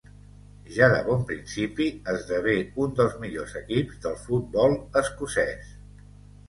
Ja de bon principi esdevé un dels millors equips del futbol escocès.